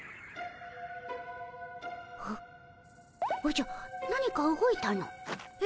おじゃ何か動いたの。え？